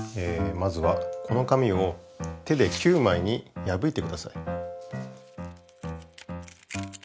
まずはこの紙を手で９枚にやぶいてください。